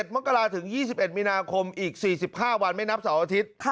มกราศถึง๒๑มีนาคมอีก๔๕วันไม่นับเสาร์อาทิตย์